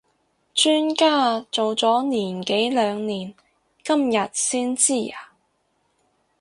磚家做咗年幾兩年今日先知呀？